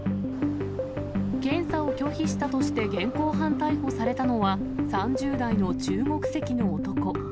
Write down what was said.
検査を拒否したとして現行犯逮捕されたのは、３０代の中国籍の男。